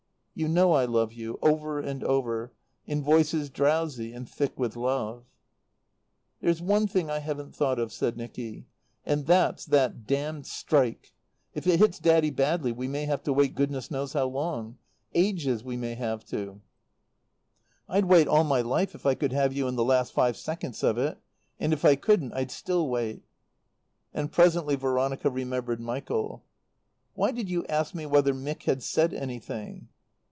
"You know I love you!" over and over, in voices drowsy and thick with love. "There's one thing I haven't thought of," said Nicky. "And that's that damned strike. If it hits Daddy badly we may have to wait goodness knows how long. Ages we may have to." "I'd wait all my life if I could have you in the last five seconds of it. And if I couldn't, I'd still wait." And presently Veronica remembered Michael. "Why did you ask me whether Mick had said anything?"